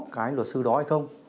cái luật sư đó hay không